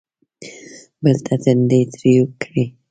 بل ته تندی تریو کړي.